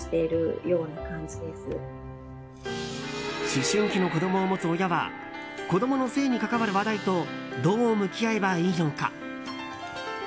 思春期の子供を持つ親は子供の性に関わる話題とどう向き合えばいいのか。